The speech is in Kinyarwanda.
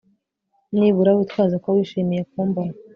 Nibura witwaze ko wishimiye kumbona